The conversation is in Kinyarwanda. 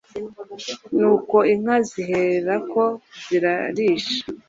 Nuko inka ziherako zirarisha,